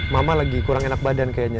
mama lagi kurang enak badan kayaknya